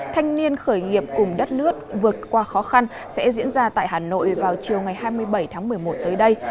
thanh niên khởi nghiệp cùng đất nước vượt qua khó khăn sẽ diễn ra tại hà nội vào chiều ngày hai mươi bảy tháng một mươi một tới đây